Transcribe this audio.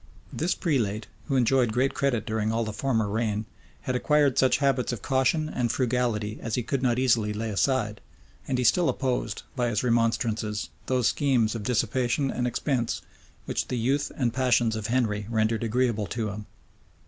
This prelate, who enjoyed great credit during all the former reign, had acquired such habits of caution and frugality as he could not easily lay aside; and he still opposed, by his remonstrances, those schemes of dissipation and expense, which the youth and passions of Henry rendered agreeable to him.